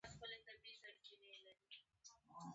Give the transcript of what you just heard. هغې د نرم خوب په اړه خوږه موسکا هم وکړه.